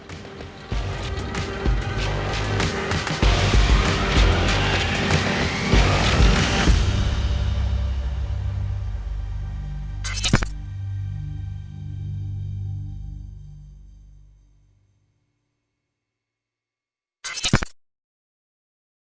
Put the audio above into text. โปรดติดตามตอนต่อไป